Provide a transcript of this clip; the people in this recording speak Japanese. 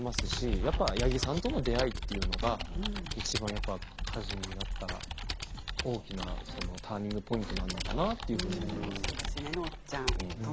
やっぱり八木さんとの出会いというのは、いちばん大きなターニングポイントなのかなと。